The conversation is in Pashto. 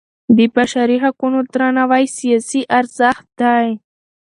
د بشري حقونو درناوی سیاسي ارزښت دی